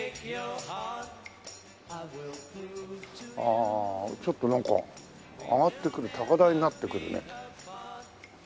ああちょっとなんか上がってくる高台になってくるね。